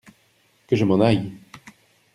Que je m’en aille !…